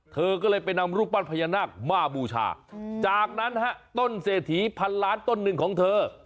เธอก็เลยไปนำรูปปั้นพญานาคมาบูชาจากนั้นฮะต้นเศรษฐีพันล้านต้นหนึ่งของเธอ